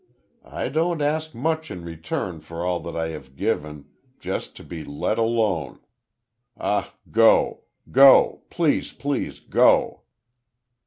I don't ask much in return for all that I have given just to be let alone.... Ah, go! Go! Please, please go!"